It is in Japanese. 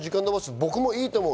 僕もいいと思う。